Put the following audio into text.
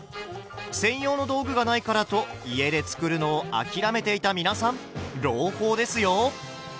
専用の道具がないからと家で作るのを諦めていた皆さん朗報ですよ！